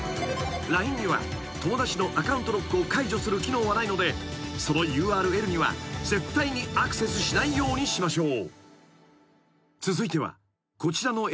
［ＬＩＮＥには友達のアカウントロックを解除する機能はないのでそのＵＲＬには絶対にアクセスしないようにしましょう］